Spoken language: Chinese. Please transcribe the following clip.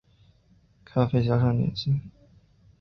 咖啡加上点心